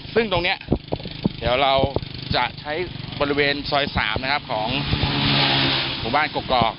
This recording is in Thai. ซึ่งตรงนี้เดี๋ยวเราจะใช้บริเวณซอย๓นะครับของหมู่บ้านกกอก